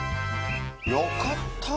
よかった。